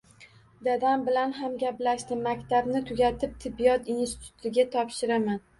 Dadam bilan ham gaplashdim, maktabni tugatib, tibbiyot institutiga topshiraman